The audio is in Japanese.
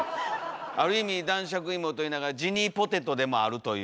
ある意味男爵いもといいながらジニーポテトでもあるという。